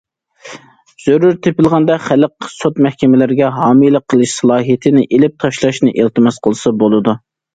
زۆرۈر تېپىلغاندا خەلق سوت مەھكىمىلىرىگە ھامىيلىق قىلىش سالاھىيىتىنى ئېلىپ تاشلاشنى ئىلتىماس قىلسا بولىدۇ.